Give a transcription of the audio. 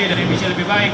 dari emisi lebih banyak